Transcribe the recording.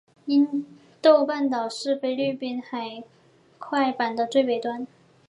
伊豆半岛是菲律宾海板块的最北端。